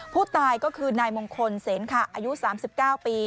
ผู้ตายก็คือนายมงคลเสนขะอายุ๓๙ปี